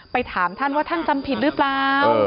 ถามท่านว่าท่านจำผิดหรือเปล่า